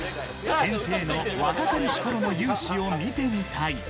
先生の若かりしころの雄姿を見てみたい。